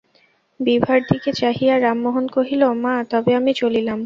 বিভার দিকে চাহিয়া রামমোহন কহিল, মা, তবে আমি চলিলাম।